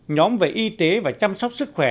nhóm về y tế và chăm sóc sức khỏe